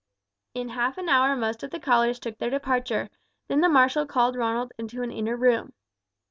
In half an hour most of the callers took their departure, then the marshal called Ronald into an inner room.